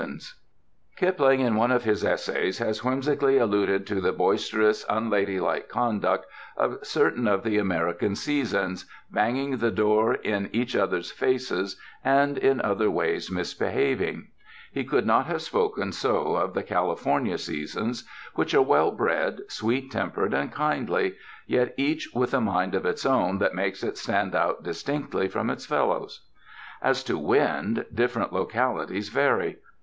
265 UNDEK THE SKY IN CALIFORNIA Kipling in one of his essays has whimsically alluded to the boisterous, unladylike conduct of certain of the American seasons, banging the door in each other's faces and in other ways misbehaving. He could not have spoken so of the California seasons, which are well bred, sweet tempered and kindly, yet each with a mind of its own that makes it stand out distinctly from its fellows. As to wind, different lo calities vary.